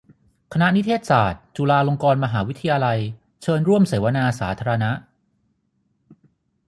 คณะนิเทศศาสตร์ จุฬาลงกรณ์มหาวิทยาลัย เชิญร่วมเสวนาสาธารณะ